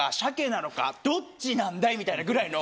みたいなぐらいの。